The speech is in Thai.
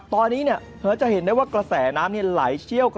ตอนนี้เนี่ยเธอจะเห็นได้ว่ากระแสน้ำเนี่ยไหลเชี่ยวกัน